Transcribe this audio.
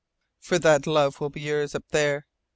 For that love will be yours, up there.